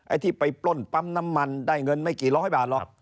ที่ไปปล้นปั๊มน้ำมันได้เงินไม่กี่ร้อยบาทหรอก